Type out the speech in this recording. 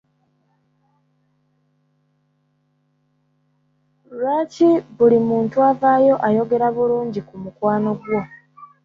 Lwaki buli muntu avaayo ayogera bulungi ku mukwano gwo?